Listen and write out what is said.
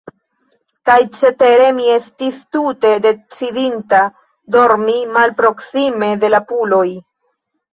Kaj cetere, mi estis tute decidinta, dormi malproksime de la puloj.